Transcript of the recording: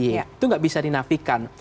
itu nggak bisa dinafikan